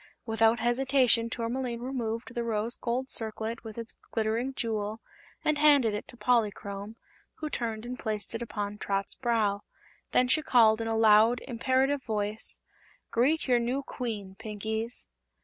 Without hesitation Tourmaline removed the rose gold circlet with its glittering jewel and handed it to Polychrome, who turned and placed it upon Trot's brow. Then she called in a loud, imperative voice: "Greet your new Queen, Pinkies!"